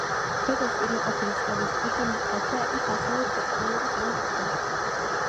როგორც პირველყოფილი წყლების პერსონიფიკაცია, ის, ასევე, ქვეწარმავლების დედად ითვლებოდა.